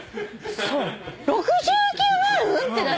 ６９万！？ってなって。